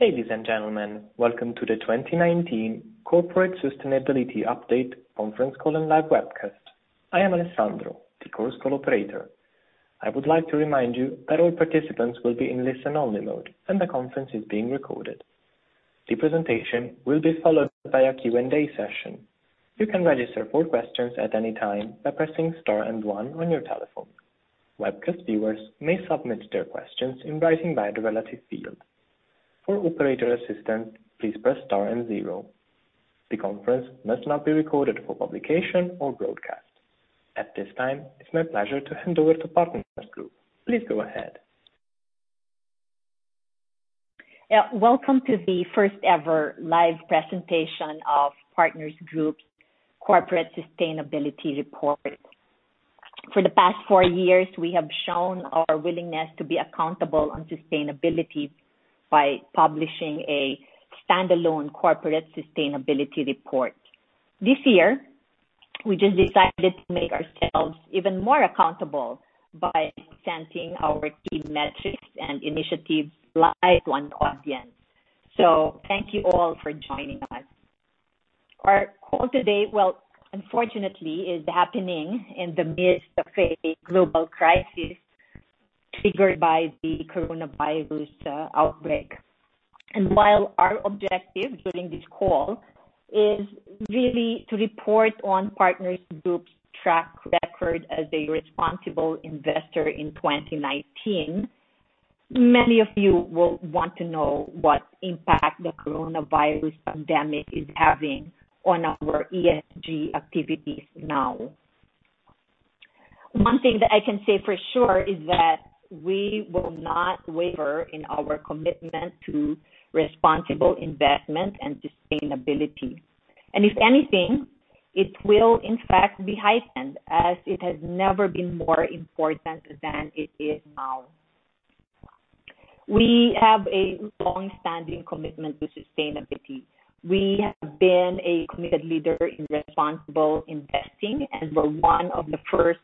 Ladies and gentlemen, welcome to the 2019 Corporate Sustainability Update conference call and live webcast. I am Alessandro, the Chorus Call operator. I would like to remind you that all participants will be in listen only mode, and the conference is being recorded. The presentation will be followed by a Q&A session. You can register for questions at any time by pressing star and one on your telephone. Webcast viewers may submit their questions in writing by the relative field. For operator assistance, please press star and zero. The conference must not be recorded for publication or broadcast. At this time, it's my pleasure to hand over to Partners Group. Please go ahead. Welcome to the first ever live presentation of Partners Group's Corporate Sustainability Report. For the past four years, we have shown our willingness to be accountable on sustainability by publishing a standalone corporate sustainability report. This year, we just decided to make ourselves even more accountable by presenting our key metrics and initiatives live to an audience. Thank you all for joining us. Our call today, well, unfortunately, is happening in the midst of a global crisis triggered by the coronavirus outbreak. While our objective during this call is really to report on Partners Group's track record as a responsible investor in 2019, many of you will want to know what impact the coronavirus pandemic is having on our ESG activities now. One thing that I can say for sure is that we will not waver in our commitment to responsible investment and sustainability. If anything, it will in fact be heightened, as it has never been more important than it is now. We have a longstanding commitment to sustainability. We have been a committed leader in responsible investing and were one of the first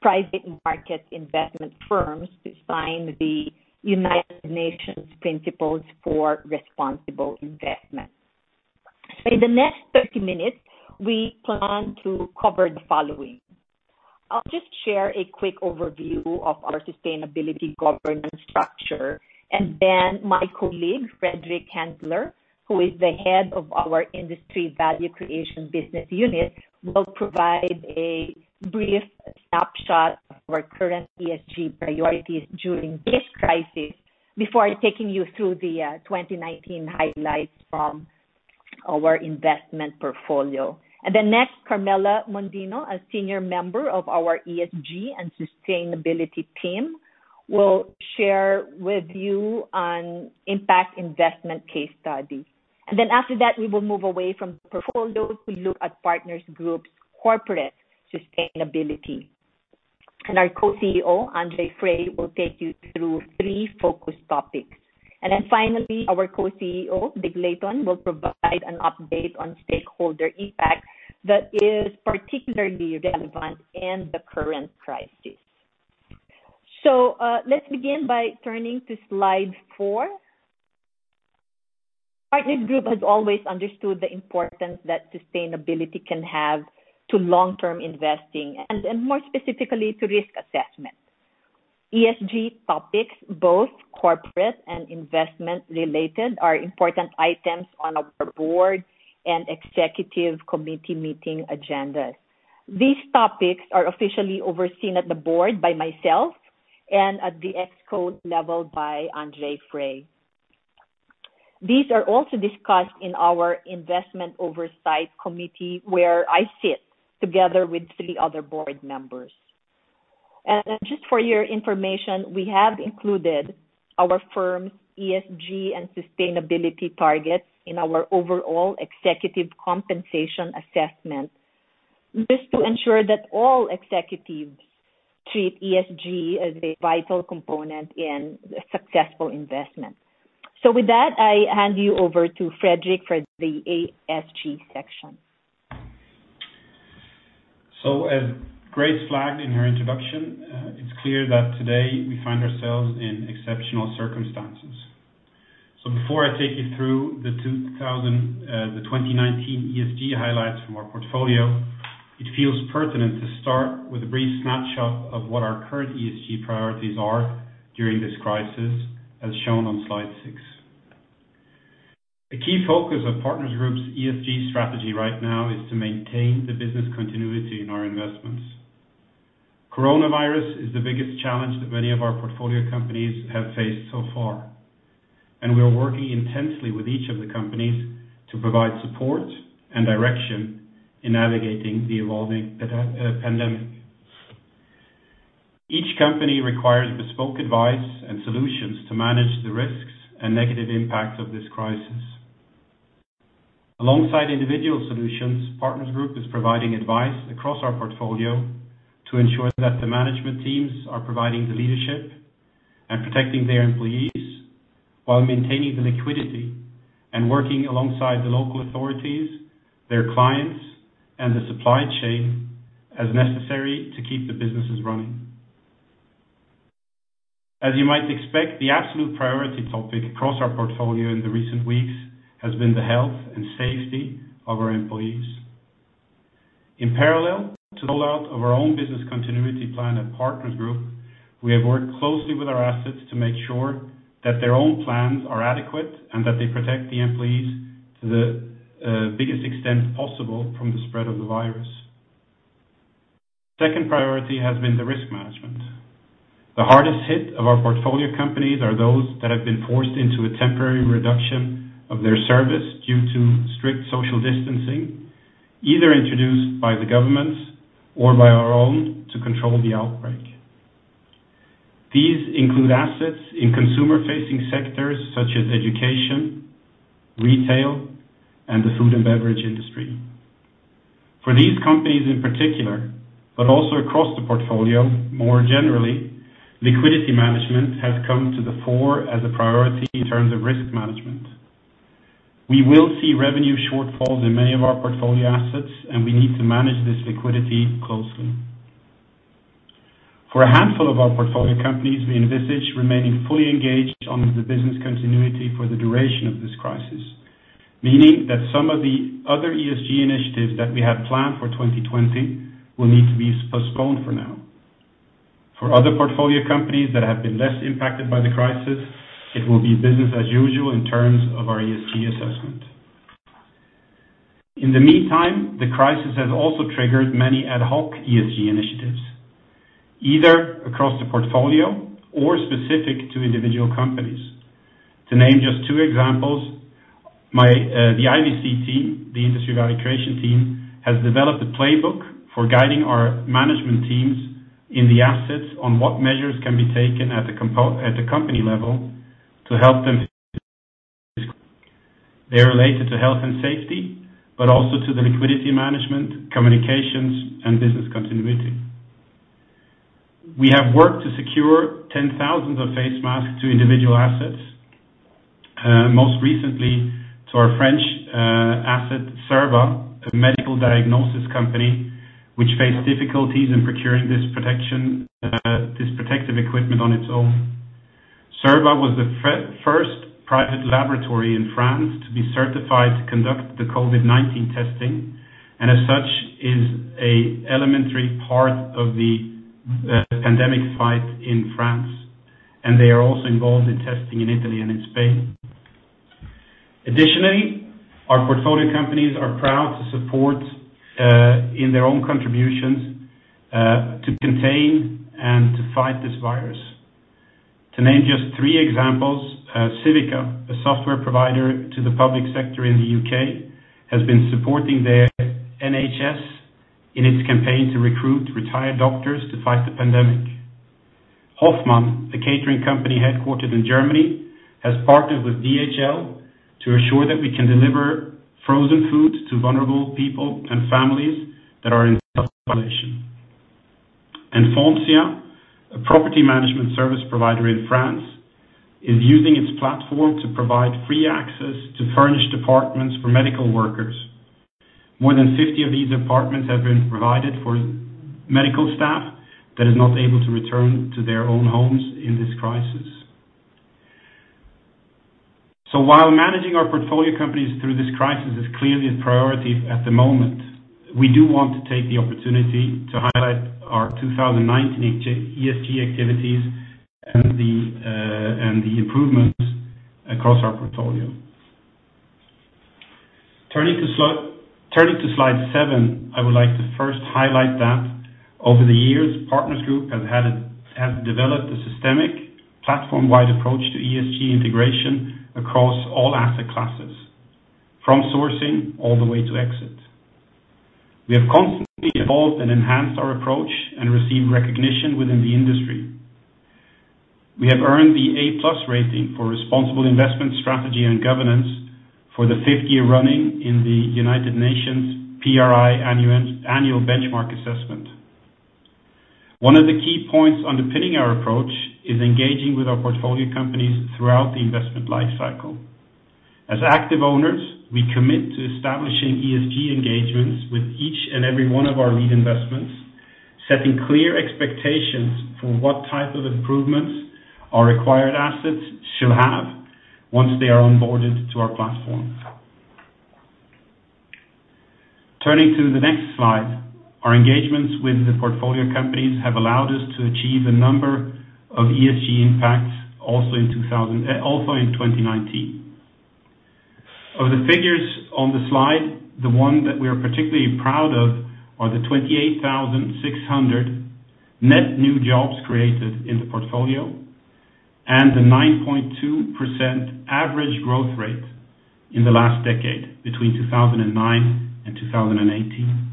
private market investment firms to sign the United Nations Principles for Responsible Investment. In the next 30 minutes, we plan to cover the following. I'll just share a quick overview of our sustainability governance structure, and then my colleague, Frederick Hendler, who is the Head of our Industry Value Creation business unit, will provide a brief snapshot of our current ESG priorities during this crisis before taking you through the 2019 highlights from our investment portfolio. Next, Carmela Mondino, a senior member of our ESG and sustainability team, will share with you an impact investment case study. After that, we will move away from portfolios. We look at Partners Group's corporate sustainability. Our co-CEO, André Frei, will take you through three focus topics. Finally, our co-CEO, David Layton, will provide an update on stakeholder impact that is particularly relevant in the current crisis. Let's begin by turning to slide four. Partners Group has always understood the importance that sustainability can have to long-term investing and more specifically, to risk assessment. ESG topics, both corporate and investment related, are important items on our board and Executive Committee meeting agendas. These topics are officially overseen at the board by myself and at the ExCo level by André Frei. These are also discussed in our investment oversight committee, where I sit together with three other board members. Just for your information, we have included our firm's ESG and sustainability targets in our overall executive compensation assessment. This is to ensure that all executives treat ESG as a vital component in successful investment. With that, I hand you over to Frederick for the ESG section. As Grace flagged in her introduction, it's clear that today we find ourselves in exceptional circumstances. Before I take you through the 2019 ESG highlights from our portfolio, it feels pertinent to start with a brief snapshot of what our current ESG priorities are during this crisis, as shown on slide six. A key focus of Partners Group's ESG strategy right now is to maintain the business continuity in our investments. COVID-19 is the biggest challenge that many of our portfolio companies have faced so far, and we are working intensely with each of the companies to provide support and direction in navigating the evolving pandemic. Each company requires bespoke advice and solutions to manage the risks and negative impacts of this crisis. Alongside individual solutions, Partners Group is providing advice across our portfolio to ensure that the management teams are providing the leadership and protecting their employees while maintaining the liquidity and working alongside the local authorities, their clients, and the supply chain. As necessary to keep the businesses running. As you might expect, the absolute priority topic across our portfolio in the recent weeks has been the health and safety of our employees. In parallel to the rollout of our own business continuity plan at Partners Group, we have worked closely with our assets to make sure that their own plans are adequate and that they protect the employees to the biggest extent possible from the spread of the virus. Second priority has been the risk management. The hardest hit of our portfolio companies are those that have been forced into a temporary reduction of their service due to strict social distancing, either introduced by the governments or by our own to control the outbreak. These include assets in consumer-facing sectors such as education, retail, and the food and beverage industry. For these companies in particular, but also across the portfolio more generally, liquidity management has come to the fore as a priority in terms of risk management. We will see revenue shortfalls in many of our portfolio assets, and we need to manage this liquidity closely. For a handful of our portfolio companies, we envisage remaining fully engaged on the business continuity for the duration of this crisis, meaning that some of the other ESG initiatives that we had planned for 2020 will need to be postponed for now. For other portfolio companies that have been less impacted by the crisis, it will be business as usual in terms of our ESG assessment. The crisis has also triggered many ad hoc ESG initiatives, either across the portfolio or specific to individual companies. To name just two examples, the IVC team, the Industry Value Creation team, has developed a playbook for guiding our management teams in the assets on what measures can be taken at the company level. They are related to health and safety, to the liquidity management, communications, and business continuity. We have worked to secure 10,000 of face masks to individual assets, most recently to our French asset, Cerba, a medical diagnosis company which faced difficulties in procuring this protective equipment on its own. Cerba was the first private laboratory in France to be certified to conduct the COVID-19 testing, and as such, is a elementary part of the pandemic fight in France, and they are also involved in testing in Italy and in Spain. Additionally, our portfolio companies are proud to support in their own contributions to contain and to fight this virus. To name just three examples, Civica, a software provider to the public sector in the U.K., has been supporting the NHS in its campaign to recruit retired doctors to fight the pandemic. Hofmann, the catering company headquartered in Germany, has partnered with DHL to ensure that we can deliver frozen food to vulnerable people and families. Foncia, a property management service provider in France, is using its platform to provide free access to furnished apartments for medical workers. More than 50 of these apartments have been provided for medical staff that is not able to return to their own homes in this crisis. While managing our portfolio companies through this crisis is clearly a priority at the moment, we do want to take the opportunity to highlight our 2019 ESG activities and the improvements across our portfolio. Turning to slide seven, I would like to first highlight that over the years, Partners Group has developed a systemic platform-wide approach to ESG integration across all asset classes, from sourcing all the way to exit. We have constantly evolved and enhanced our approach and received recognition within the industry. We have earned the A+ rating for responsible investment strategy and governance for the fifth year running in the United Nations PRI Annual Benchmark Assessment. One of the key points underpinning our approach is engaging with our portfolio companies throughout the investment life cycle. As active owners, we commit to establishing ESG engagements with each and every one of our lead investments, setting clear expectations for what type of improvements our required assets should have once they are onboarded to our platform. Turning to the next slide, our engagements with the portfolio companies have allowed us to achieve a number of ESG impacts also in 2019. Of the figures on the slide, the one that we are particularly proud of are the 28,600 net new jobs created in the portfolio and the 9.2% average growth rate in the last decade between 2009 and 2018.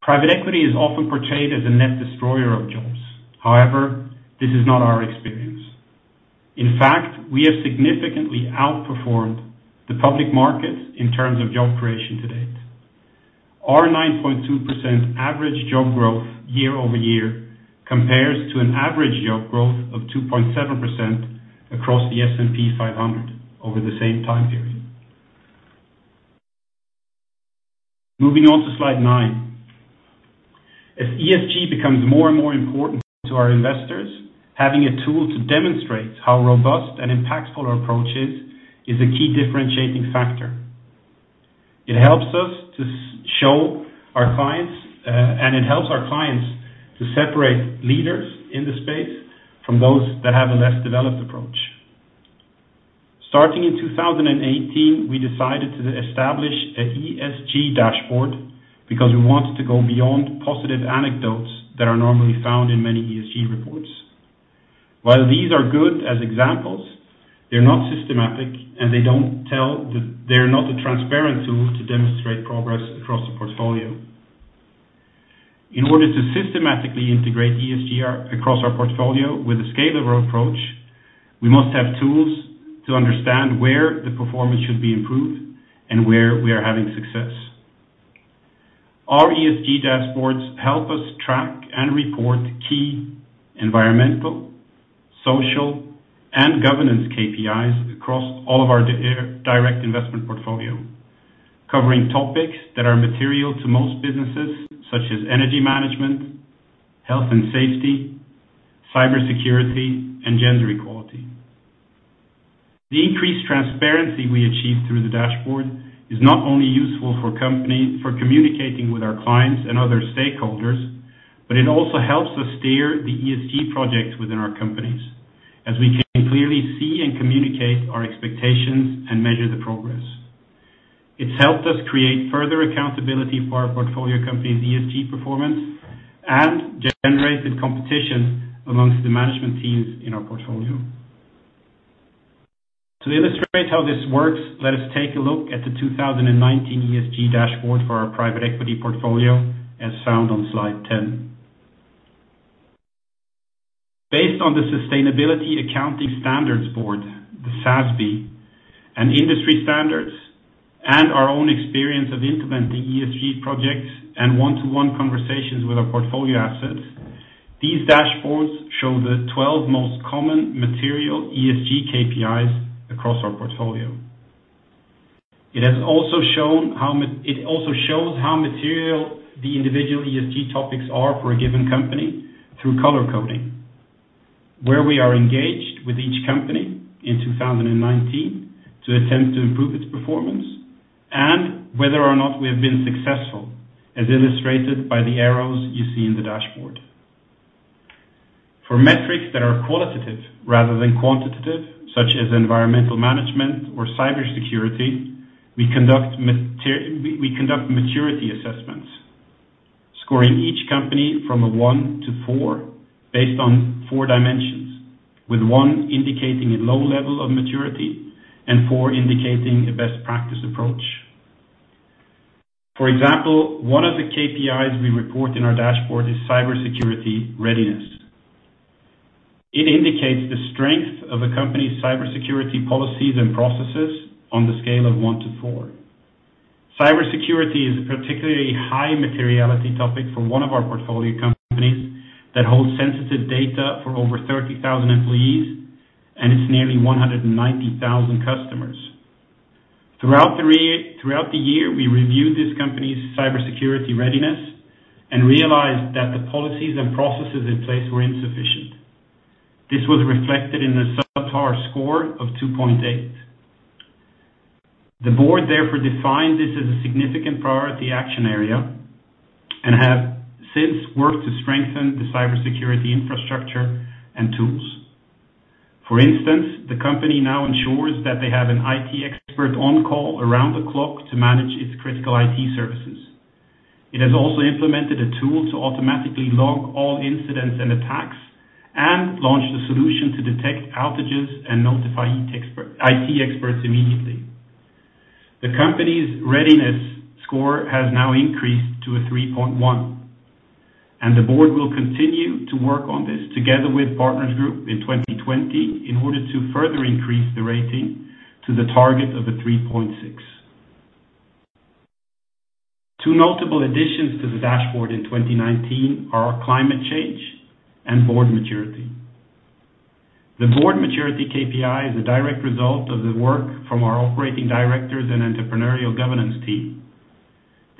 Private equity is often portrayed as a net destroyer of jobs. However, this is not our experience. In fact, we have significantly outperformed the public market in terms of job creation to date. Our 9.2% average job growth year-over-year compares to an average job growth of 2.7% across the S&P 500 over the same time period. Moving on to slide nine. As ESG becomes more and more important to our investors, having a tool to demonstrate how robust and impactful our approach is a key differentiating factor. It helps us to show our clients, and it helps our clients to separate leaders in the space from those that have a less developed approach. Starting in 2018, we decided to establish an ESG dashboard because we wanted to go beyond positive anecdotes that are normally found in many ESG reports. While these are good as examples, they're not systematic, and they're not a transparent tool to demonstrate progress across the portfolio. In order to systematically integrate ESG across our portfolio with a scalable approach, we must have tools to understand where the performance should be improved and where we are having success. Our ESG dashboards help us track and report key environmental, social, and governance KPIs across all of our direct investment portfolio, covering topics that are material to most businesses, such as energy management, health and safety, cybersecurity, and gender equality. The increased transparency we achieve through the dashboard is not only useful for communicating with our clients and other stakeholders, but it also helps us steer the ESG projects within our companies as we can clearly see and communicate our expectations and measure the progress. It's helped us create further accountability for our portfolio company's ESG performance and generated competition amongst the management teams in our portfolio. To illustrate how this works, let us take a look at the 2019 ESG dashboard for our private equity portfolio, as found on slide 10. Based on the Sustainability Accounting Standards Board, the SASB, and industry standards, and our own experience of implementing ESG projects and one-to-one conversations with our portfolio assets, these dashboards show the 12 most common material ESG KPIs across our portfolio. It also shows how material the individual ESG topics are for a given company through color coding, where we are engaged with each company in 2019 to attempt to improve its performance, and whether or not we have been successful, as illustrated by the arrows you see in the dashboard. For metrics that are qualitative rather than quantitative, such as environmental management or cybersecurity, we conduct maturity assessments, scoring each company from a one to four based on 4 dimensions, with one indicating a low level of maturity and four indicating a best practice approach. For example, one of the KPIs we report in our dashboard is cybersecurity readiness. It indicates the strength of a company's cybersecurity policies and processes on the scale of one to four. Cybersecurity is a particularly high materiality topic for one of our portfolio companies that holds sensitive data for over 30,000 employees, and its nearly 190,000 customers. Throughout the year, we reviewed this company's cybersecurity readiness and realized that the policies and processes in place were insufficient. This was reflected in the subpar score of 2.8. The board therefore defined this as a significant priority action area and have since worked to strengthen the cybersecurity infrastructure and tools. For instance, the company now ensures that they have an IT expert on call around the clock to manage its critical IT services. It has also implemented a tool to automatically log all incidents and attacks and launched a solution to detect outages and notify IT experts immediately. The company's readiness score has now increased to a 3.1, and the board will continue to work on this together with Partners Group in 2020 in order to further increase the rating to the target of a 3.6. Two notable additions to the dashboard in 2019 are climate change and board maturity. The board maturity KPI is a direct result of the work from our operating directors and entrepreneurial governance team.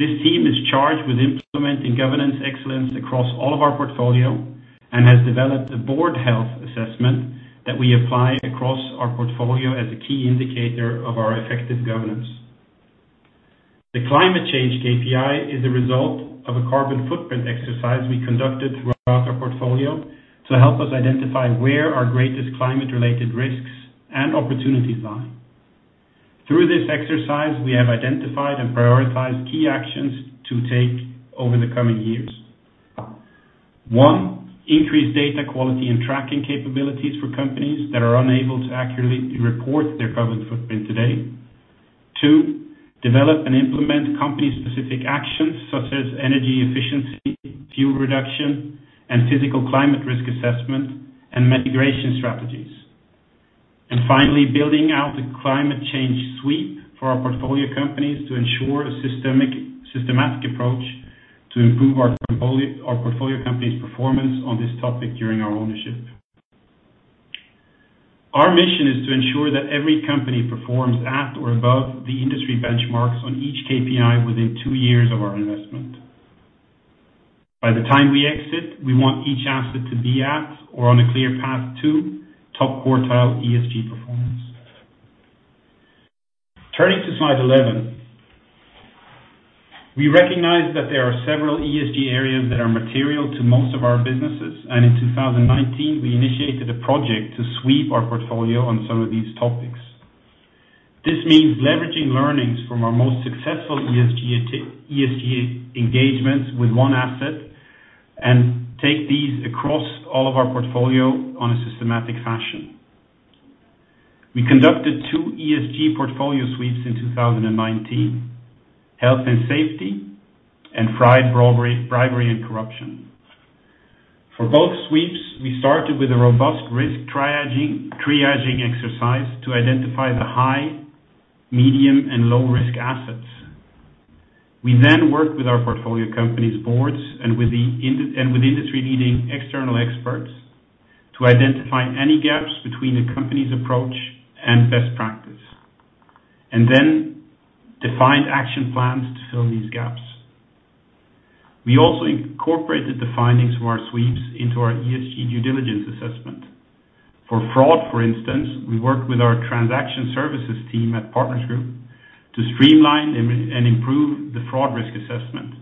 This team is charged with implementing governance excellence across all of our portfolio and has developed a board health assessment that we apply across our portfolio as a key indicator of our effective governance. The climate change KPI is a result of a carbon footprint exercise we conducted throughout our portfolio to help us identify where our greatest climate-related risks and opportunities lie. Through this exercise, we have identified and prioritized key actions to take over the coming years. One, increase data quality and tracking capabilities for companies that are unable to accurately report their carbon footprint today. Two, develop and implement company-specific actions such as energy efficiency, fuel reduction, and physical climate risk assessment and mitigation strategies. Finally, building out the climate change sweep for our portfolio companies to ensure a systematic approach to improve our portfolio company's performance on this topic during our ownership. Our mission is to ensure that every company performs at or above the industry benchmarks on each KPI within two years of our investment. By the time we exit, we want each asset to be at, or on a clear path to, top quartile ESG performance. Turning to slide 11. We recognize that there are several ESG areas that are material to most of our businesses, and in 2019, we initiated a project to sweep our portfolio on some of these topics. This means leveraging learnings from our most successful ESG engagements with one asset and take these across all of our portfolio on a systematic fashion. We conducted two ESG portfolio sweeps in 2019, health and safety and bribery and corruption. For both sweeps, we started with a robust risk triaging exercise to identify the high, medium, and low-risk assets. We worked with our portfolio company's boards and with industry-leading external experts to identify any gaps between the company's approach and best practice, and then defined action plans to fill these gaps. We also incorporated the findings from our sweeps into our ESG due diligence assessment. For fraud, for instance, we worked with our transaction services team at Partners Group to streamline and improve the fraud risk assessment,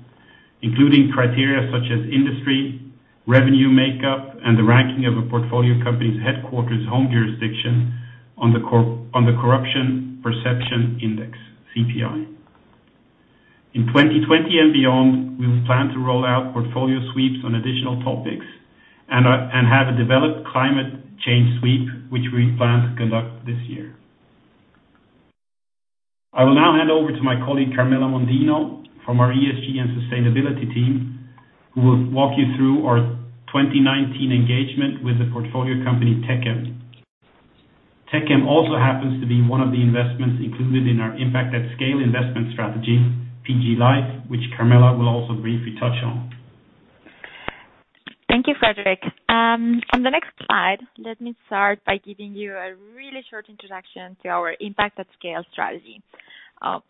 including criteria such as industry, revenue makeup, and the ranking of a portfolio company's headquarters' home jurisdiction on the Corruption Perception Index, CPI. In 2020 and beyond, we will plan to roll out portfolio sweeps on additional topics and have a developed climate change sweep, which we plan to conduct this year. I will now hand over to my colleague, Carmela Mondino, from our ESG and sustainability team, who will walk you through our 2019 engagement with the portfolio company, Techem. Techem also happens to be one of the investments included in our impact at scale investment strategy, PG LIFE, which Carmela will also briefly touch on. Thank you, Frederick. On the next slide, let me start by giving you a really short introduction to our impact at scale strategy.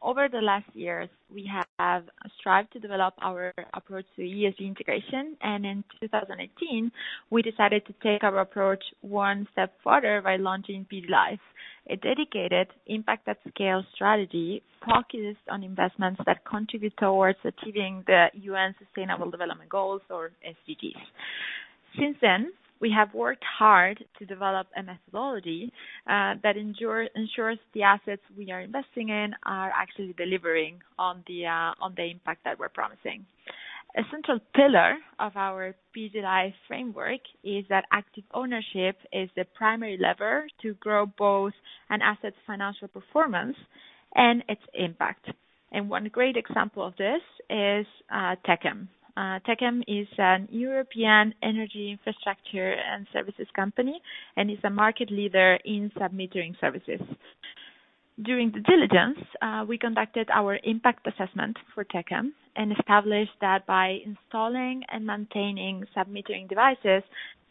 Over the last years, we have strived to develop our approach to ESG integration, and in 2018, we decided to take our approach one step further by launching PG LIFE, a dedicated impact at scale strategy focused on investments that contribute towards achieving the UN Sustainable Development Goals or SDGs. Since then, we have worked hard to develop a methodology that ensures the assets we are investing in are actually delivering on the impact that we're promising. A central pillar of our PG LIFE framework is that active ownership is the primary lever to grow both an asset's financial performance and its impact. One great example of this is Techem. Techem is an European energy infrastructure and services company and is a market leader in sub-metering services. During due diligence, we conducted our impact assessment for Techem and established that by installing and maintaining sub-metering devices,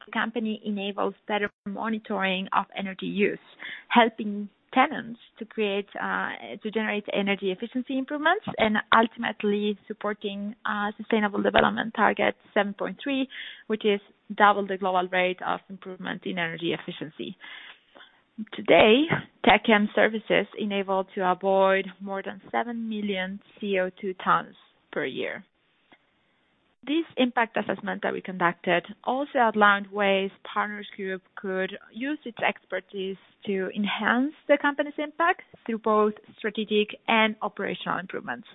the company enables better monitoring of energy use, helping tenants to generate energy efficiency improvements and ultimately supporting Sustainable Development Goal 7.3, which is double the global rate of improvement in energy efficiency. Today, Techem services enable to avoid more than seven million CO2 tons per year. This impact assessment that we conducted also outlined ways Partners Group could use its expertise to enhance the company's impact through both strategic and operational improvements.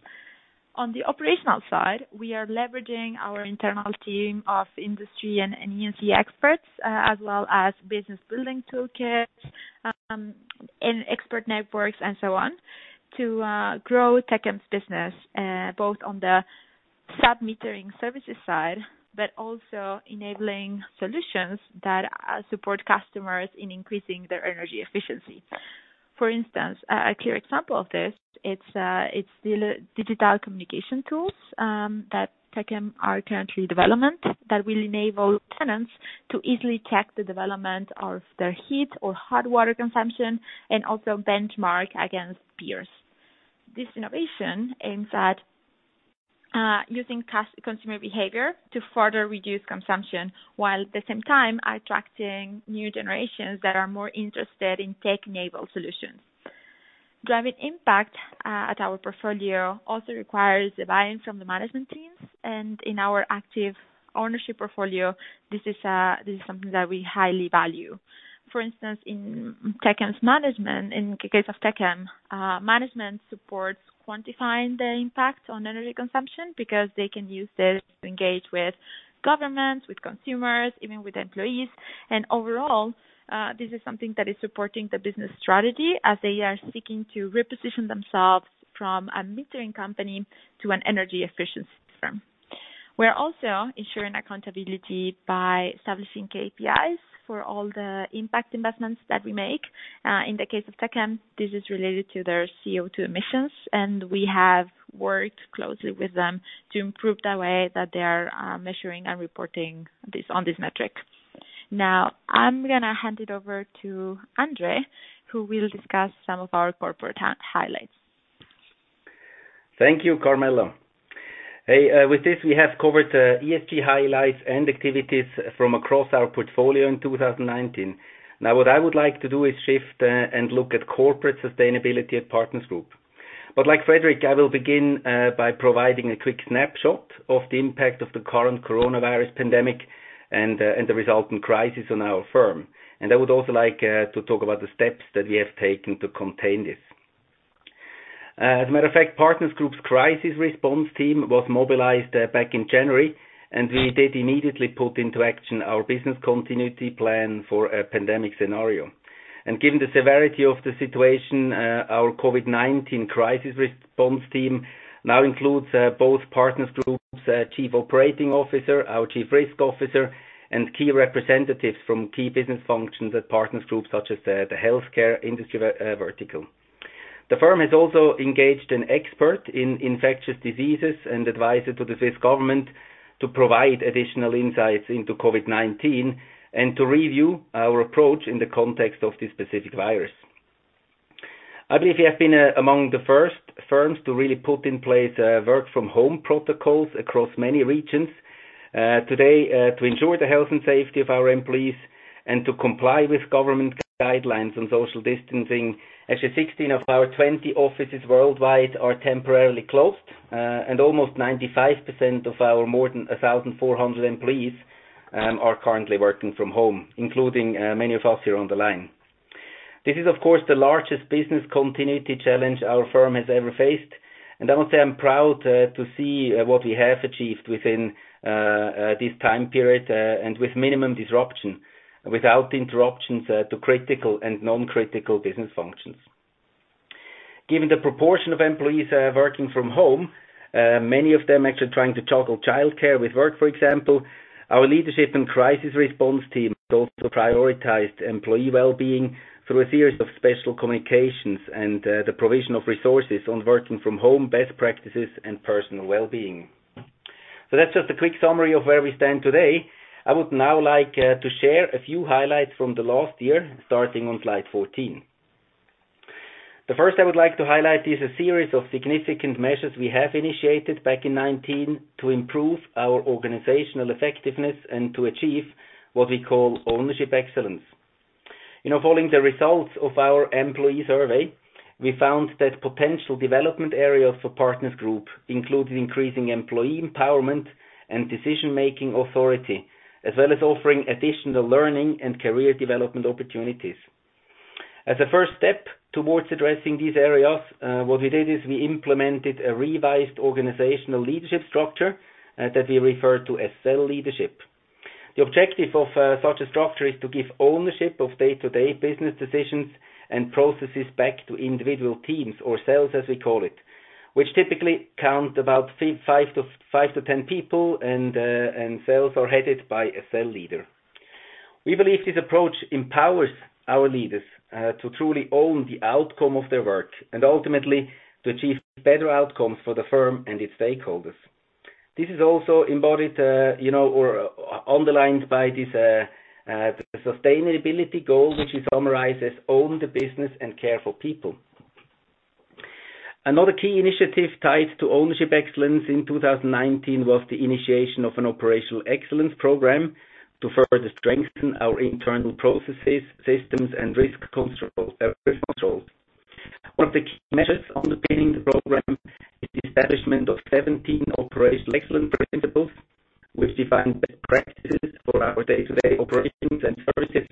On the operational side, we are leveraging our internal team of industry and ESG experts as well as business building toolkits, and expert networks, and so on, to grow Techem's business, both on the sub-metering services side, but also enabling solutions that support customers in increasing their energy efficiency. For instance, a clear example of this, it's the digital communication tools that Techem are currently developing that will enable tenants to easily check the development of their heat or hot water consumption and also benchmark against peers. This innovation aims at using consumer behavior to further reduce consumption, while at the same time attracting new generations that are more interested in tech-enabled solutions. Driving impact at our portfolio also requires the buy-in from the management teams, and in our active ownership portfolio, this is something that we highly value. For instance, in Techem's management, in the case of Techem, management supports quantifying the impact on energy consumption because they can use this to engage with governments, with consumers, even with employees. Overall, this is something that is supporting the business strategy as they are seeking to reposition themselves from a metering company to an energy efficiency firm. We're also ensuring accountability by establishing KPIs for all the impact investments that we make. In the case of Techem, this is related to their CO2 emissions, and we have worked closely with them to improve the way that they are measuring and reporting on this metric. I'm going to hand it over to André, who will discuss some of our corporate highlights. Thank you, Carmela. With this, we have covered the ESG highlights and activities from across our portfolio in 2019. What I would like to do is shift and look at corporate sustainability at Partners Group. Like Frederick, I will begin by providing a quick snapshot of the impact of the current coronavirus pandemic and the resulting crisis on our firm. I would also like to talk about the steps that we have taken to contain this. As a matter of fact, Partners Group's crisis response team was mobilized back in January, and we did immediately put into action our business continuity plan for a pandemic scenario. Given the severity of the situation, our COVID-19 crisis response team now includes both Partners Group's Chief Operating Officer, our Chief Risk Officer, and key representatives from key business functions at Partners Group such as the healthcare industry vertical. The firm has also engaged an expert in infectious diseases and advisor to the Swiss government to provide additional insights into COVID-19 and to review our approach in the context of this specific virus. I believe we have been among the first firms to really put in place work from home protocols across many regions. Today, to ensure the health and safety of our employees and to comply with government guidelines on social distancing, actually 16 of our 20 offices worldwide are temporarily closed, and almost 95% of our more than 1,400 employees are currently working from home, including many of us here on the line. This is, of course, the largest business continuity challenge our firm has ever faced, and I would say I'm proud to see what we have achieved within this time period, and with minimum disruption, without interruptions to critical and non-critical business functions. Given the proportion of employees working from home, many of them actually trying to juggle childcare with work, for example, our leadership and crisis response team has also prioritized employee well-being through a series of special communications and the provision of resources on working from home best practices and personal well-being. That's just a quick summary of where we stand today. I would now like to share a few highlights from the last year, starting on slide 14. The first I would like to highlight is a series of significant measures we have initiated back in 2019 to improve our organizational effectiveness and to achieve what we call Ownership Excellence. Following the results of our employee survey, we found that potential development areas for Partners Group included increasing employee empowerment and decision-making authority, as well as offering additional learning and career development opportunities. As a first step towards addressing these areas, what we did is we implemented a revised organizational leadership structure that we refer to as Cell Leadership. The objective of such a structure is to give ownership of day-to-day business decisions and processes back to individual teams or cells, as we call it, which typically count about five to 10 people, and cells are headed by a cell leader. We believe this approach empowers our leaders to truly own the outcome of their work, and ultimately to achieve better outcomes for the firm and its stakeholders. This is also embodied or underlined by this sustainability goal, which we summarize as Own the Business and Care for People. Another key initiative tied to ownership excellence in 2019 was the initiation of an Operational Excellence Program to further strengthen our internal processes, systems, and risk controls. One of the key measures underpinning the program is the establishment of 17 operational excellent principles, which define best practices for our day-to-day operations and services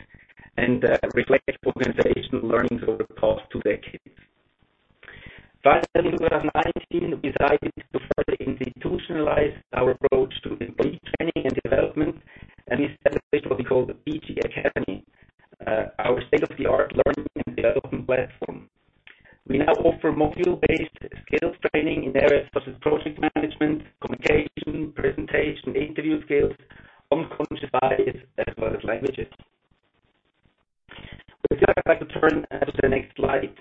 and reflect organizational learnings over the past two decades. Finally, in 2019, we decided to further institutionalize our approach to employee training and development, and we established what we call the PG Academy, our state-of-the-art learning and development platform. We now offer module-based skills training in areas such as project management, communication, presentation, interview skills, unconscious bias, as well as languages. If you'd like to turn to the next slide.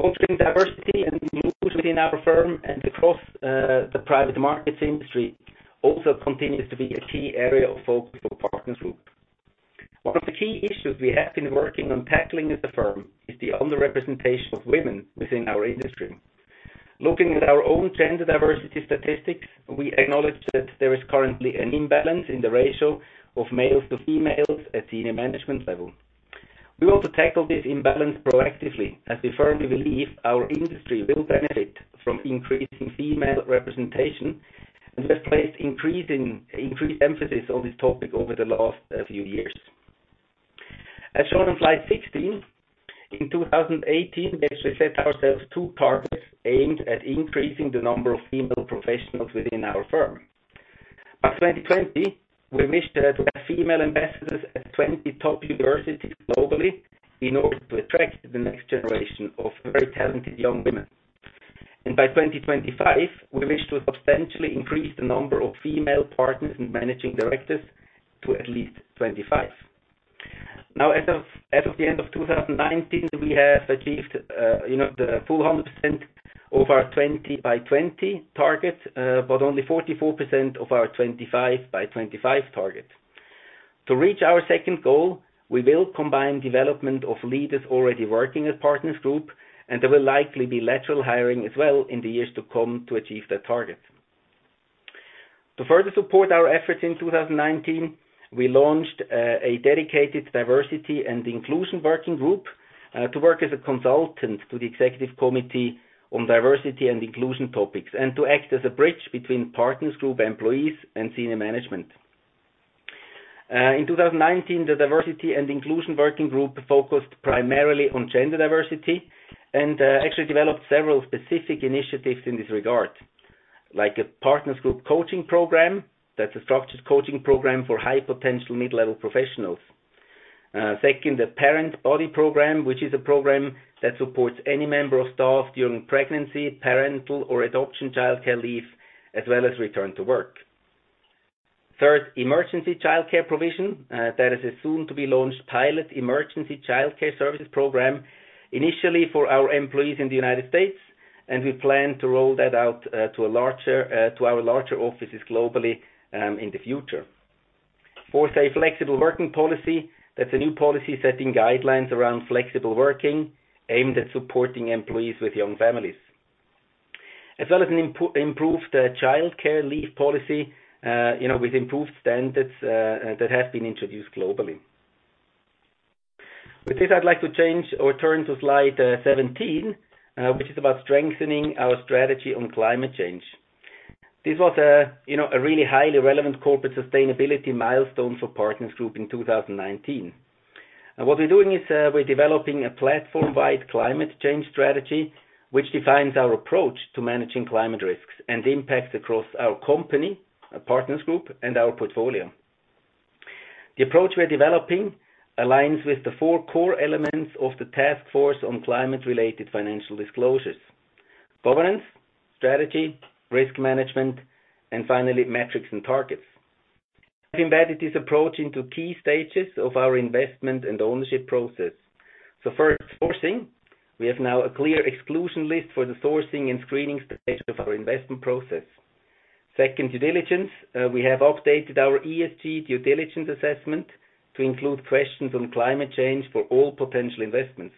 Fostering diversity and inclusion within our firm and across the private markets industry also continues to be a key area of focus for Partners Group. One of the key issues we have been working on tackling as a firm is the underrepresentation of women within our industry. Looking at our own gender diversity statistics, we acknowledge that there is currently an imbalance in the ratio of males to females at senior management level. We want to tackle this imbalance proactively as we firmly believe our industry will benefit from increasing female representation, we have placed increased emphasis on this topic over the last few years. As shown on slide 16, in 2018, we actually set ourselves two targets aimed at increasing the number of female professionals within our firm. By 2020, we wish to have female ambassadors at 20 top universities globally in order to attract the next generation of very talented young women. By 2025, we wish to substantially increase the number of female partners and managing directors to at least 25. Now, as of the end of 2019, we have achieved the full 100% of our 20 by 20 target, but only 44% of our 25 by 25 target. To reach our second goal, we will combine development of leaders already working at Partners Group, and there will likely be lateral hiring as well in the years to come to achieve that target. To further support our efforts in 2019, we launched a dedicated Diversity and Inclusion Working Group to work as a consultant to the Executive Committee on diversity and inclusion topics, and to act as a bridge between Partners Group employees and senior management. In 2019, the Diversity and Inclusion Working Group focused primarily on gender diversity, and actually developed several specific initiatives in this regard, like a Partners Group coaching program. That's a structured coaching program for high-potential mid-level professionals. Second, the Parent Body Program, which is a program that supports any member of staff during pregnancy, parental, or adoption childcare leave, as well as return to work. Third, Emergency Childcare Provision. That is a soon-to-be-launched pilot emergency childcare services program, initially for our employees in the United States, and we plan to roll that out to our larger offices globally in the future. Fourth, a Flexible Working Policy. That's a new policy setting guidelines around flexible working aimed at supporting employees with young families. As well as an improved Childcare Leave Policy with improved standards that have been introduced globally. With this, I'd like to change or turn to slide 17, which is about strengthening our strategy on climate change. This was a really highly relevant corporate sustainability milestone for Partners Group in 2019. What we're doing is we're developing a platform-wide climate change strategy, which defines our approach to managing climate risks and impacts across our company, Partners Group, and our portfolio. The approach we're developing aligns with the four core elements of the Task Force on Climate-related Financial Disclosures. Governance, strategy, risk management, and finally, metrics and targets. We've embedded this approach into key stages of our investment and ownership process. First, sourcing. We have now a clear exclusion list for the sourcing and screening stage of our investment process. Second, due diligence. We have updated our ESG due diligence assessment to include questions on climate change for all potential investments.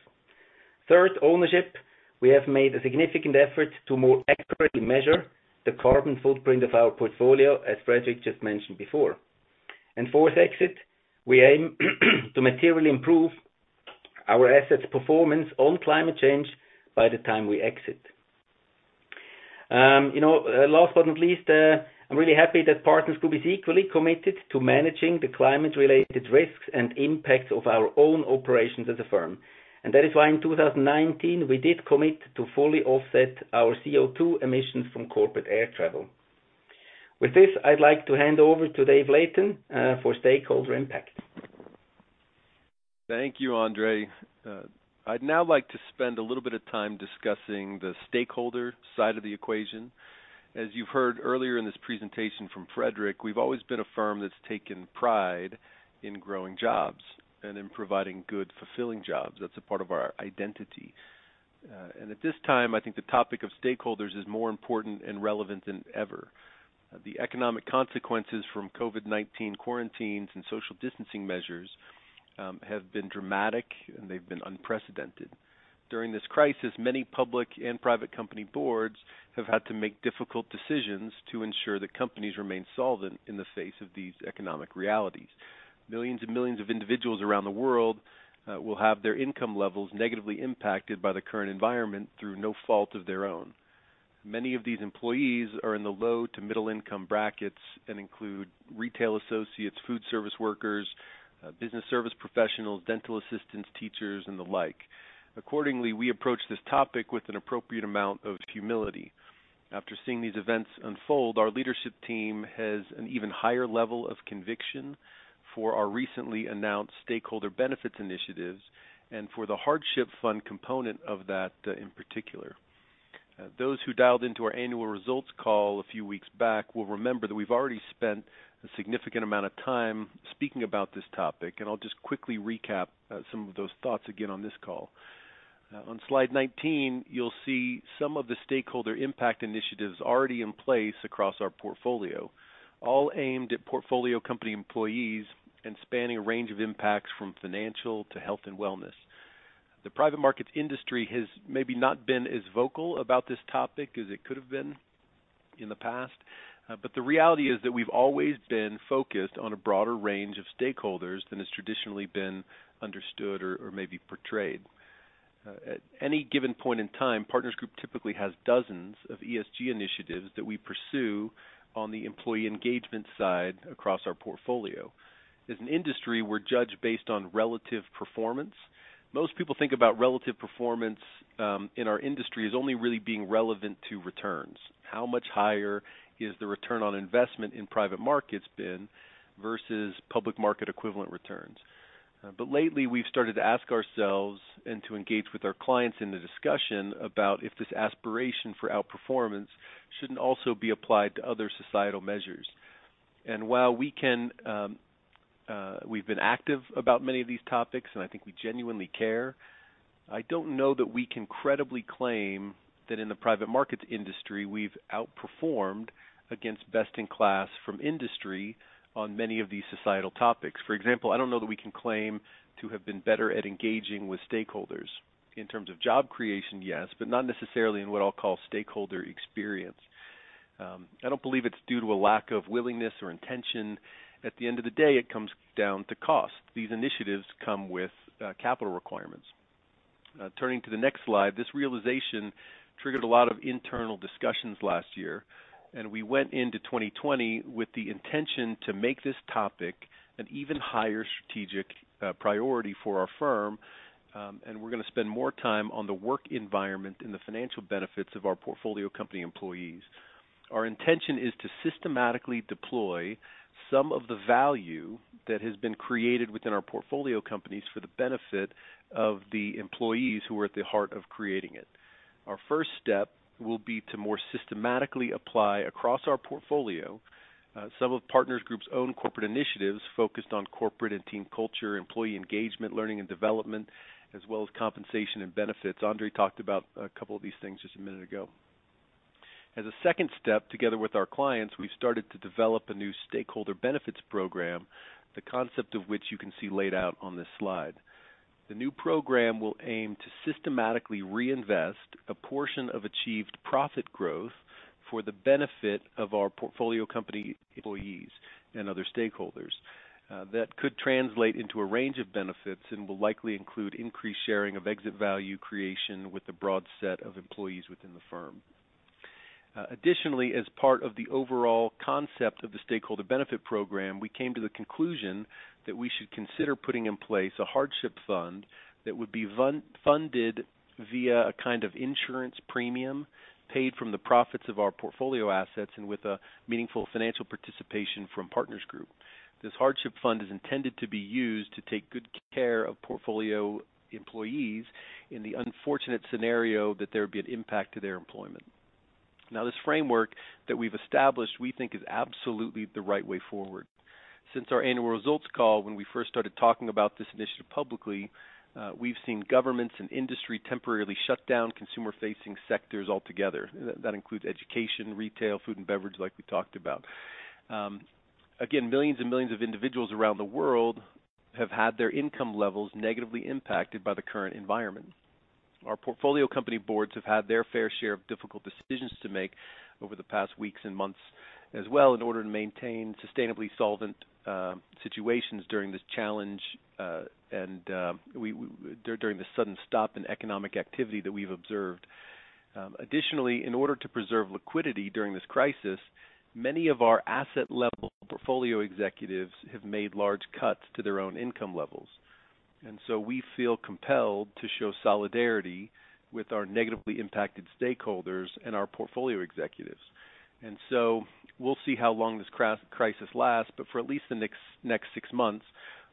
Third, ownership. We have made a significant effort to more accurately measure the carbon footprint of our portfolio, as Frederick just mentioned before. Fourth, exit. We aim to materially improve our assets' performance on climate change by the time we exit. Last but not least, I'm really happy that Partners Group is equally committed to managing the climate-related risks and impacts of our own operations as a firm. That is why in 2019, we did commit to fully offset our CO2 emissions from corporate air travel. With this, I'd like to hand over to David Layton for stakeholder impact. Thank you, André. I'd now like to spend a little bit of time discussing the stakeholder side of the equation. As you've heard earlier in this presentation from Frederick, we've always been a firm that's taken pride in growing jobs and in providing good, fulfilling jobs. That's a part of our identity. At this time, I think the topic of stakeholders is more important and relevant than ever. The economic consequences from COVID-19 quarantines and social distancing measures have been dramatic, and they've been unprecedented. During this crisis, many public and private company boards have had to make difficult decisions to ensure that companies remain solvent in the face of these economic realities. Millions and millions of individuals around the world will have their income levels negatively impacted by the current environment through no fault of their own. Many of these employees are in the low to middle income brackets and include retail associates, food service workers, business service professionals, dental assistants, teachers, and the like. Accordingly, we approach this topic with an appropriate amount of humility. After seeing these events unfold, our leadership team has an even higher level of conviction for our recently announced Stakeholder Benefits Initiatives and for the Hardship Fund component of that in particular. Those who dialed into our annual results call a few weeks back will remember that we've already spent a significant amount of time speaking about this topic. I'll just quickly recap some of those thoughts again on this call. On slide 19, you'll see some of the stakeholder impact initiatives already in place across our portfolio, all aimed at portfolio company employees and spanning a range of impacts from financial to health and wellness. The private markets industry has maybe not been as vocal about this topic as it could have been in the past. The reality is that we've always been focused on a broader range of stakeholders than has traditionally been understood or maybe portrayed. At any given point in time, Partners Group typically has dozens of ESG initiatives that we pursue on the employee engagement side across our portfolio. As an industry, we're judged based on relative performance. Most people think about relative performance in our industry as only really being relevant to returns. How much higher has the return on investment in private markets been versus public market equivalent returns? Lately, we've started to ask ourselves and to engage with our clients in the discussion about if this aspiration for outperformance shouldn't also be applied to other societal measures. While we've been active about many of these topics, and I think we genuinely care, I don't know that we can credibly claim that in the private markets industry, we've outperformed against best-in-class from industry on many of these societal topics. For example, I don't know that we can claim to have been better at engaging with stakeholders. In terms of job creation, yes, but not necessarily in what I'll call stakeholder experience. I don't believe it's due to a lack of willingness or intention. At the end of the day, it comes down to cost. These initiatives come with capital requirements. Turning to the next slide, this realization triggered a lot of internal discussions last year, and we went into 2020 with the intention to make this topic an even higher strategic priority for our firm. We're going to spend more time on the work environment and the financial benefits of our portfolio company employees. Our intention is to systematically deploy some of the value that has been created within our portfolio companies for the benefit of the employees who are at the heart of creating it. Our first step will be to more systematically apply across our portfolio some of Partners Group's own corporate initiatives focused on corporate and team culture, employee engagement, learning, and development, as well as compensation and benefits. André talked about a couple of these things just a minute ago. As a second step, together with our clients, we've started to develop a new stakeholder benefits program, the concept of which you can see laid out on this slide. The new program will aim to systematically reinvest a portion of achieved profit growth for the benefit of our portfolio company employees and other stakeholders. That could translate into a range of benefits and will likely include increased sharing of exit value creation with a broad set of employees within the firm. As part of the overall concept of the stakeholder benefit program, we came to the conclusion that we should consider putting in place a hardship fund that would be funded via a kind of insurance premium paid from the profits of our portfolio assets and with a meaningful financial participation from Partners Group. This hardship fund is intended to be used to take good care of portfolio employees in the unfortunate scenario that there would be an impact to their employment. This framework that we've established, we think is absolutely the right way forward. Since our annual results call, when we first started talking about this initiative publicly, we've seen governments and industry temporarily shut down consumer-facing sectors altogether. That includes education, retail, food, and beverage like we talked about. Again, millions and millions of individuals around the world have had their income levels negatively impacted by the current environment. Our portfolio company boards have had their fair share of difficult decisions to make over the past weeks and months as well, in order to maintain sustainably solvent situations during this challenge, and during the sudden stop in economic activity that we've observed. Additionally, in order to preserve liquidity during this crisis, many of our asset-level portfolio executives have made large cuts to their own income levels. We feel compelled to show solidarity with our negatively impacted stakeholders and our portfolio executives. We'll see how long this crisis lasts, but for at least the next six months,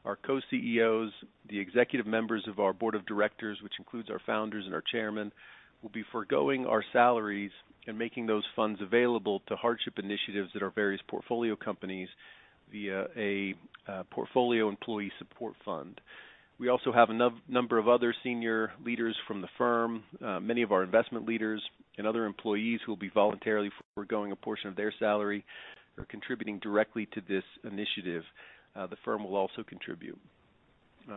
our Co-CEOs, the executive members of our Board of Directors, which includes our founders and our Chairman, will be foregoing our salaries and making those funds available to hardship initiatives at our various portfolio companies via a portfolio employee support fund. We also have a number of other senior leaders from the firm. Many of our investment leaders and other employees who will be voluntarily foregoing a portion of their salary are contributing directly to this initiative. The firm will also contribute.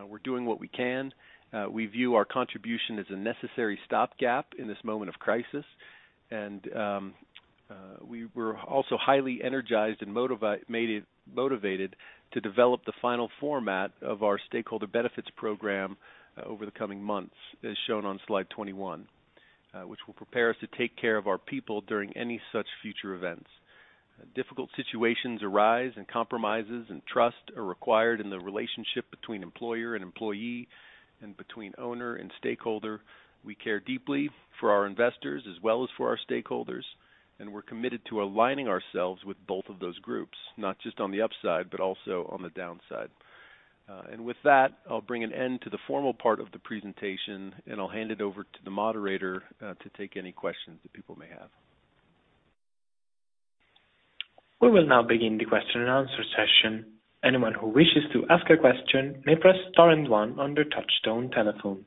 We're doing what we can. We view our contribution as a necessary stopgap in this moment of crisis. We're also highly energized and motivated to develop the final format of our stakeholder benefits program over the coming months, as shown on slide 21, which will prepare us to take care of our people during any such future events. Difficult situations arise, and compromises and trust are required in the relationship between employer and employee and between owner and stakeholder. We care deeply for our investors as well as for our stakeholders, and we're committed to aligning ourselves with both of those groups, not just on the upside, but also on the downside. With that, I'll bring an end to the formal part of the presentation, and I'll hand it over to the moderator to take any questions that people may have. We will now begin the question and answer session. Anyone who wishes to ask a question may press star and one on their touchtone telephone.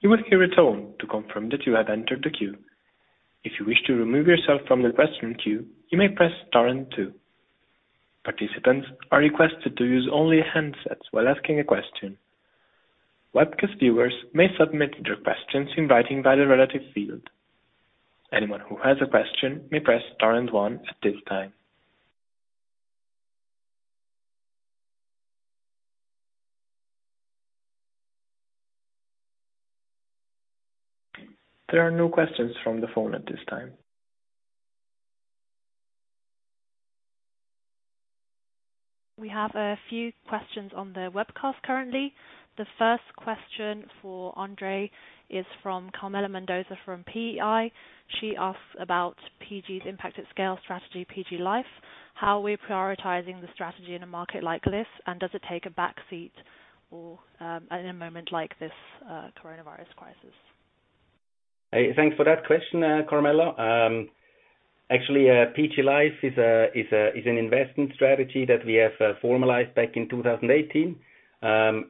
You will hear a tone to confirm that you have entered the queue. If you wish to remove yourself from the question queue, you may press star and two. Participants are requested to use only handsets while asking a question. Webcast viewers may submit their questions in writing by the relative field. Anyone who has a question may press star and one at this time. There are no questions from the phone at this time. We have a few questions on the webcast currently. The first question for André is from Carmela Mendoza from PEI. She asks about PG's impact at scale strategy, PG LIFE. How are we prioritizing the strategy in a market like this, and does it take a back seat in a moment like this coronavirus crisis? Thanks for that question, Carmela. Actually, PG Life is an investment strategy that we have formalized back in 2018.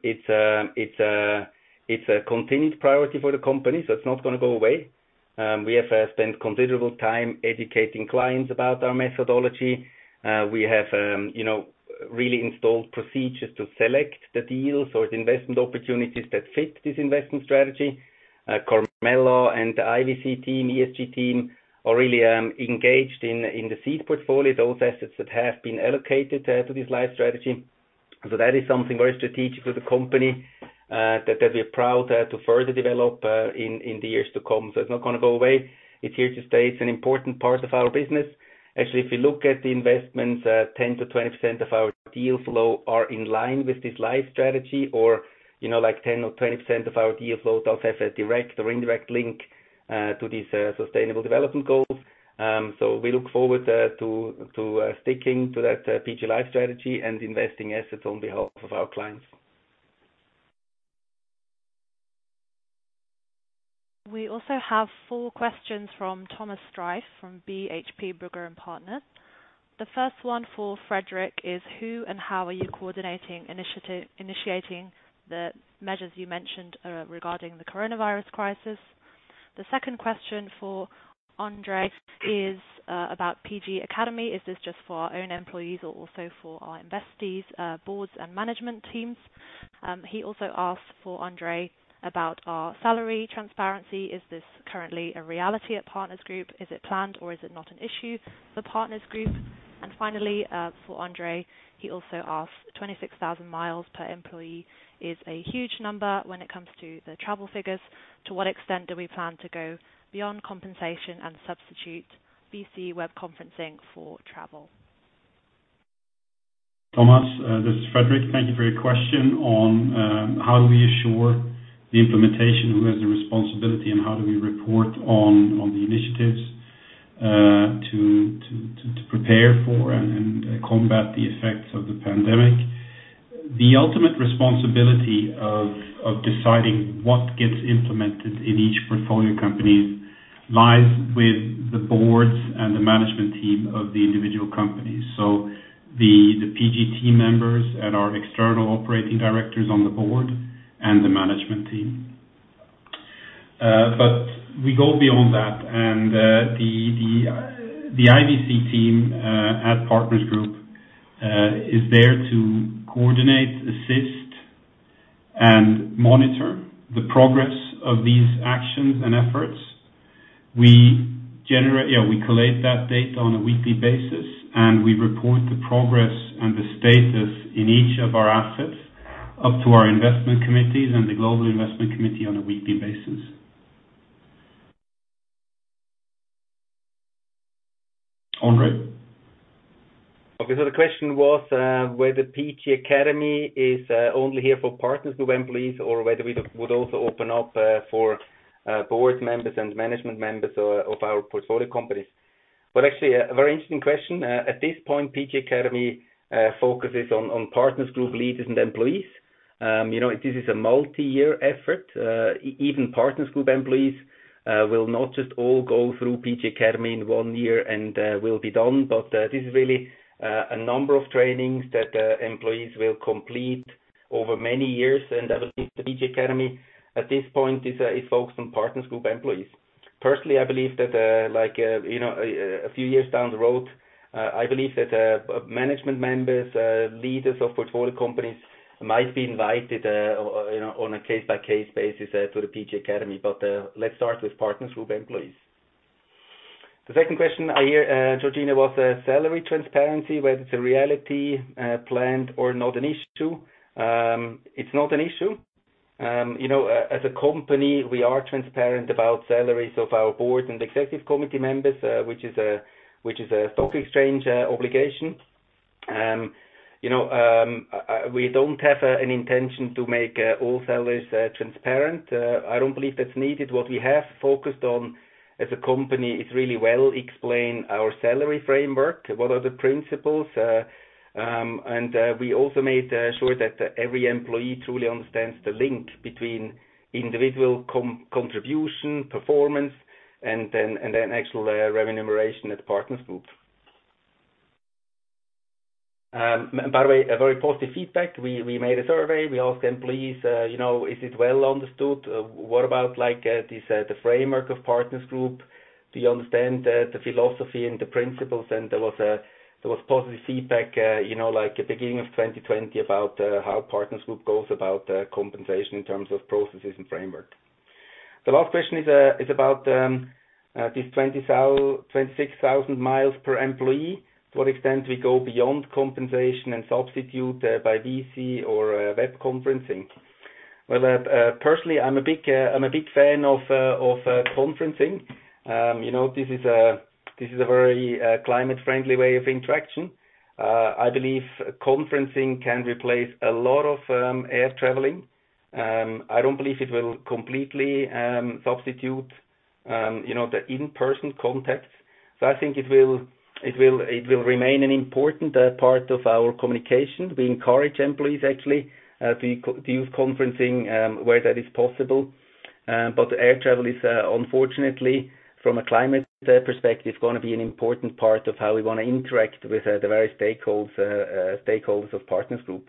It's a continued priority for the company, so it's not going to go away. We have spent considerable time educating clients about our methodology. We have really installed procedures to select the deals or the investment opportunities that fit this investment strategy. Carmela and the IVC team, ESG team, are really engaged in the seed portfolio, those assets that have been allocated to this Life strategy. That is something very strategic to the company that we're proud to further develop in the years to come. It's not going to go away. It's here to stay. It's an important part of our business. Actually, if you look at the investments, 10%-20% of our deal flow are in line with this LIFE strategy, or 10% or 20% of our deal flow does have a direct or indirect link to these Sustainable Development Goals. We look forward to sticking to that PG LIFE strategy and investing assets on behalf of our clients. We also have four questions from Thomas Streiff from BHP Brugger & Partners. The first one for Frederick is who and how are you coordinating, initiating the measures you mentioned regarding the coronavirus crisis? The second question for André is about PG Academy. Is this just for our own employees or also for our investees' boards and management teams? He also asked for André about our salary transparency. Is this currently a reality at Partners Group? Is it planned or is it not an issue for Partners Group? Finally, for André, he also asked 26,000 miles per employee is a huge number when it comes to the travel figures. To what extent do we plan to go beyond compensation and substitute VC web conferencing for travel? Thomas, this is Frederick. Thank you for your question on how do we assure the implementation, who has the responsibility and how do we report on the initiatives to prepare for and combat the effects of the pandemic. The ultimate responsibility of deciding what gets implemented in each portfolio company lies with the boards and the management team of the individual companies. The PG team members and our external operating directors on the board and the management team. We go beyond that and the IVC team at Partners Group is there to coordinate, assist, and monitor the progress of these actions and efforts. We collate that data on a weekly basis, and we report the progress and the status in each of our assets up to our investment committees and the Global Investment Committee on a weekly basis. André? Okay. The question was whether PG Academy is only here for Partners Group employees, or whether we would also open up for board members and management members of our portfolio companies. Well, actually, a very interesting question. At this point, PG Academy focuses on Partners Group leaders and employees. This is a multi-year effort. Even Partners Group employees will not just all go through PG Academy in one year and we'll be done. This is really a number of trainings that employees will complete over many years. I believe the PG Academy at this point is focused on Partners Group employees. Personally, I believe that a few years down the road, I believe that management members, leaders of portfolio companies might be invited on a case-by-case basis to the PG Academy. Let's start with Partners Group employees. The second question I hear, Georgina, was salary transparency, whether it's a reality, planned or not an issue. It's not an issue. As a company, we are transparent about salaries of our board and Executive Committee members, which is a stock exchange obligation. We don't have an intention to make all salaries transparent. I don't believe that's needed. What we have focused on as a company is really well explain our salary framework. What are the principles? We also made sure that every employee truly understands the link between individual contribution, performance, and then actual remuneration at Partners Group. By the way, a very positive feedback. We made a survey. We asked them, please, is it well understood? What about the framework of Partners Group? Do you understand the philosophy and the principles? There was positive feedback at beginning of 2020 about how Partners Group goes about compensation in terms of processes and framework. The last question is about this 26,000 miles per employee. To what extent we go beyond compensation and substitute by VC or web conferencing. Well, personally, I'm a big fan of conferencing. This is a very climate-friendly way of interaction. I believe conferencing can replace a lot of air traveling. I don't believe it will completely substitute the in-person contacts. I think it will remain an important part of our communication. We encourage employees actually to use conferencing where that is possible. Air travel is unfortunately, from a climate perspective, going to be an important part of how we want to interact with the various stakeholders of Partners Group.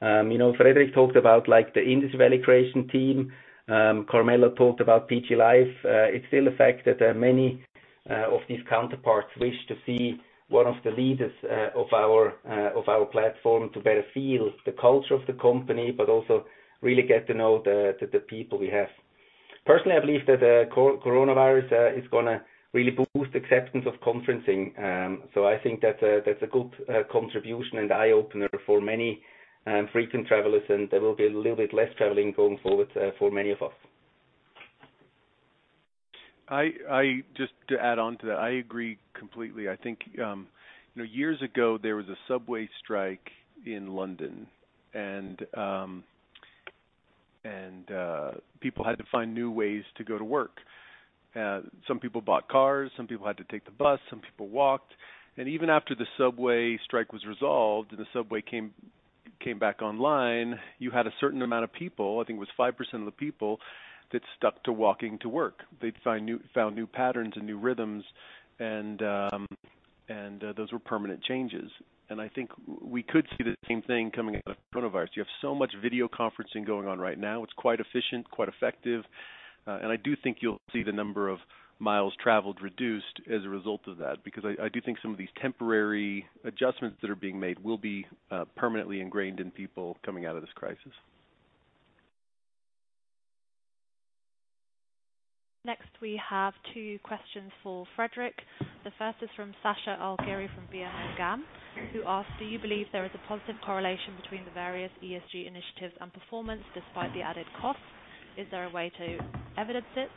Frederick talked about the Industry Value Creation team. Carmela talked about PG LIFE. It's still a fact that many of these counterparts wish to see one of the leaders of our platform to better feel the culture of the company, but also really get to know the people we have. Personally, I believe that coronavirus is going to really boost acceptance of conferencing. I think that's a good contribution and eye-opener for many frequent travelers, and there will be a little bit less traveling going forward for many of us. Just to add on to that, I agree completely. I think years ago, there was a subway strike in London, and people had to find new ways to go to work. Some people bought cars, some people had to take the bus, some people walked. Even after the subway strike was resolved and the subway came back online, you had a certain amount of people, I think it was 5% of the people, that stuck to walking to work. They'd found new patterns and new rhythms, and those were permanent changes. I think we could see the same thing coming out of coronavirus. You have so much video conferencing going on right now. It's quite efficient, quite effective. I do think you'll see the number of miles traveled reduced as a result of that, because I do think some of these temporary adjustments that are being made will be permanently ingrained in people coming out of this crisis. Next, we have two questions for Frederick. The first is from Sasha El-Ghüel from BNP GAM, who asks, "Do you believe there is a positive correlation between the various ESG initiatives and performance despite the added cost? Is there a way to evidence it?"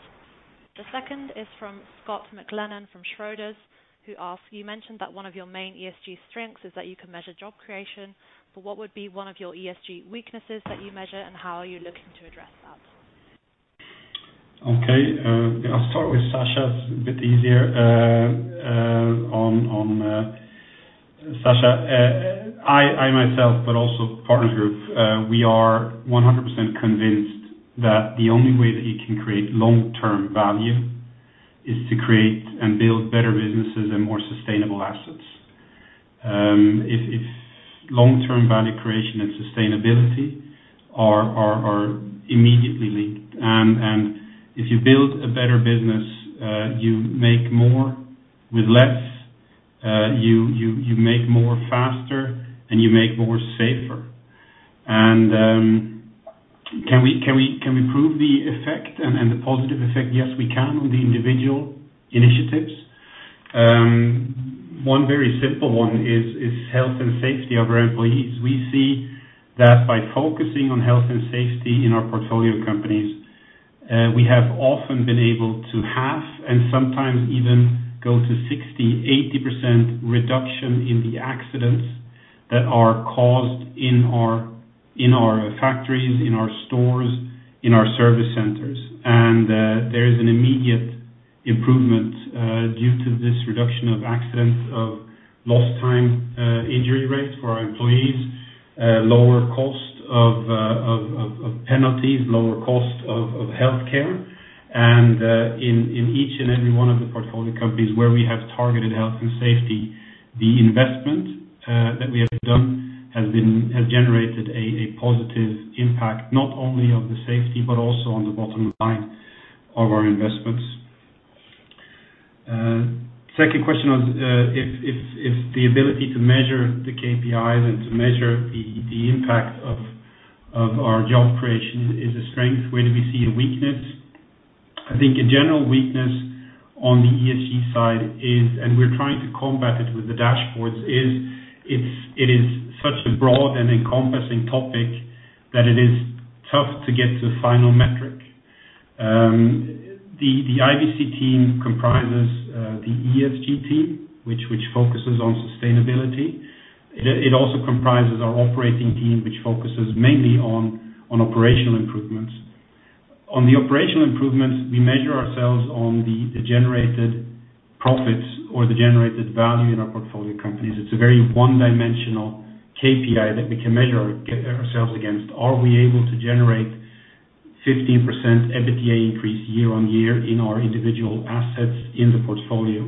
The second is from Scott McLennan from Schroders, who asks, "You mentioned that one of your main ESG strengths is that you can measure job creation, but what would be one of your ESG weaknesses that you measure, and how are you looking to address that? Okay. I'll start with Sasha. It's a bit easier. Sasha, I myself, but also Partners Group we are 100% convinced that the only way that you can create long-term value is to create and build better businesses and more sustainable assets. Long-term value creation and sustainability are immediately linked, and if you build a better business, you make more with less. You make more faster, and you make more safer. Can we prove the effect and the positive effect? Yes, we can on the individual initiatives. One very simple one is health and safety of our employees. We see that by focusing on health and safety in our portfolio companies, we have often been able to halve and sometimes even go to 60%, 80% reduction in the accidents that are caused in our factories, in our stores, in our service centers. There is an immediate improvement due to this reduction of accidents, of lost time injury rates for our employees, lower cost of penalties, lower cost of healthcare. In each and every one of the portfolio companies where we have targeted health and safety, the investment that we have done has generated a positive impact, not only of the safety, but also on the bottom line of our investments. Second question on if the ability to measure the KPIs and to measure the impact of our job creation is a strength. Where do we see a weakness? I think a general weakness on the ESG side is, and we're trying to combat it with the dashboards, is it is such a broad and encompassing topic that it is tough to get to a final metric. The IVC team comprises the ESG team, which focuses on sustainability. It also comprises our operating team, which focuses mainly on operational improvements. On the operational improvements, we measure ourselves on the generated profits or the generated value in our portfolio companies. It's a very one-dimensional KPI that we can measure ourselves against. Are we able to generate 15% EBITDA increase year-on-year in our individual assets in the portfolio?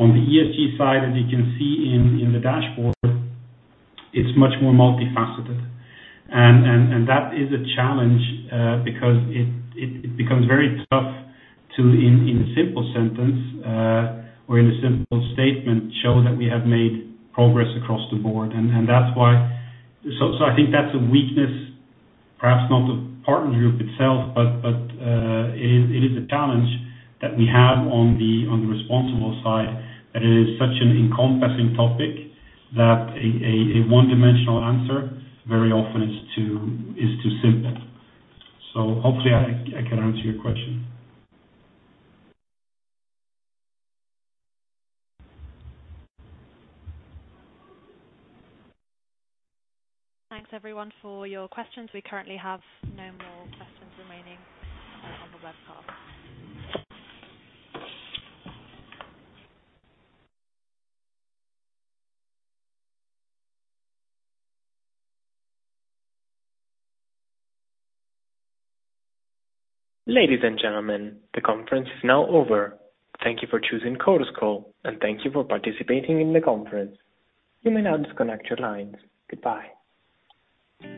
On the ESG side, as you can see in the dashboard, it's much more multifaceted. That is a challenge because it becomes very tough to, in a simple sentence or in a simple statement, show that we have made progress across the board. I think that's a weakness, perhaps not of Partners Group itself, but it is a challenge that we have on the responsible side, that it is such an encompassing topic that a one-dimensional answer very often is too simple. Hopefully I can answer your question. Thanks, everyone, for your questions. We currently have no more questions remaining on the webcast. Ladies and gentlemen, the conference is now over. Thank you for choosing Chorus Call, and thank you for participating in the conference. You may now disconnect your lines. Goodbye.